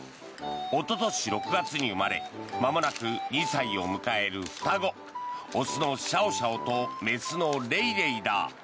おととし６月に生まれまもなく２歳を迎える双子雄のシャオシャオと雌のレイレイだ。